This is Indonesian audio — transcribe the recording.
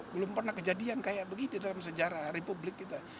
belum pernah kejadian kayak begini dalam sejarah republik kita